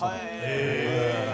へえ。